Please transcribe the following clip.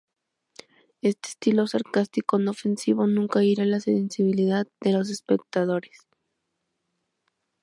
Este estilo sarcástico no ofensivo nunca hirió la sensibilidad de los espectadores.